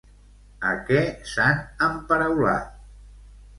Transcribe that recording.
A què s'han emparaulat?